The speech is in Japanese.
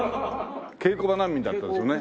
稽古場難民だったんですよね。